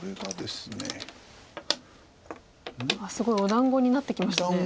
すごいお団子になってきましたね。